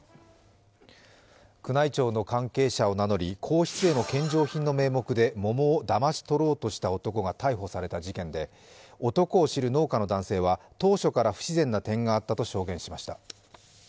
宮内庁の関係者を名乗り皇室への献上品の名目で桃をだまし取ろうとした男が逮捕された事件で、男を知る農家の男性は当初から不自然な点があったと証言しました。